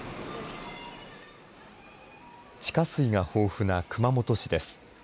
地下水が豊富な熊本市です。